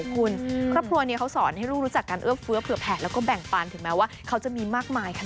ก็เป็นอีกหนึ่งซุปตาตัวจิ๋วนะครับ